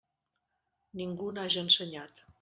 Ningú naix ensenyat.